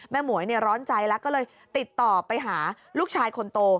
หมวยร้อนใจแล้วก็เลยติดต่อไปหาลูกชายคนโต